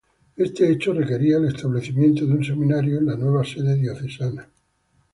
Este hecho requería el establecimiento de un seminario en la nueva sede diocesana.